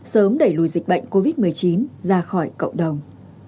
sớm đẩy lùi dịch bệnh covid một mươi chín ra khỏi cộng đồng